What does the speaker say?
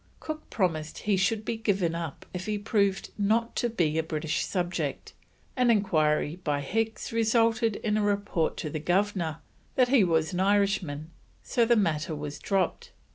Cook promised he should be given up if he proved not to be a British subject, and enquiry by Mr. Hicks resulted in a report to the Governor that he was an Irishman, so the matter dropped.